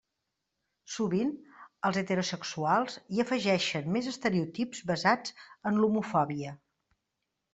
Sovint, els heterosexuals hi afegeixen més estereotips basats en l'homofòbia.